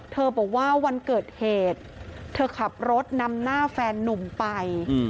บอกว่าวันเกิดเหตุเธอขับรถนำหน้าแฟนนุ่มไป